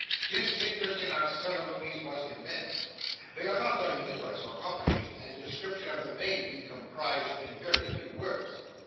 His interest in our ceremonies was immense. They are not very numerous or complicated, and a description of them may be comprised in very few words.